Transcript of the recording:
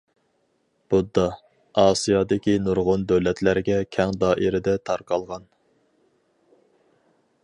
«بۇددا» ئاسىيادىكى نۇرغۇن دۆلەتلەرگە كەڭ دائىرىدە تارقالغان.